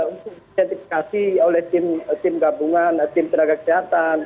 untuk identifikasi oleh tim gabungan tim tenaga kesehatan